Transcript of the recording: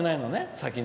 先に。